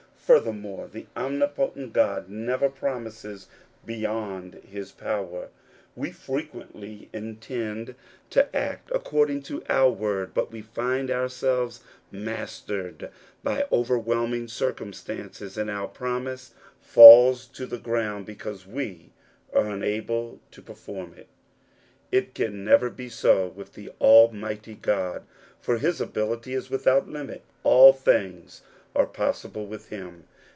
Furthermore, the Omnipotent God never promises beyond his power. We frequently intend to act 82 According to the Promise, according to our word, but we find ours^i mastered by overwhelming circumstances, and ^ promise falls to the ground because we are una t^ to perform it. It can never be so with ^^ Almighty God, for his ability is without XxxO^ All things are possible with him.